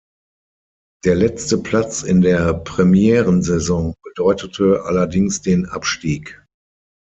Der letzte Platz in der Premierensaison bedeute allerdings den Abstieg.